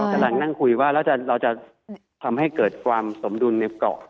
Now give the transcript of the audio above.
กำลังนั่งคุยว่าแล้วเราจะทำให้เกิดความสมดุลในเกาะ